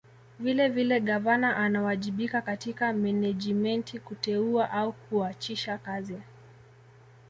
Vilevile Gavana anawajibika katika Menejimenti kuteua au kuachisha kazi